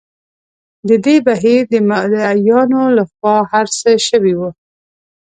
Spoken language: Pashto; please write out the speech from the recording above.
د دې بهیر د مدعییانو له خوا هر څه شوي وو.